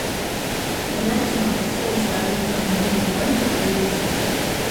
Errealismo Sozialista deritzon mugimenduan murgildu zen.